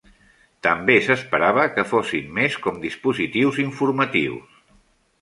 També s'esperava que fossin més com dispositius informatius.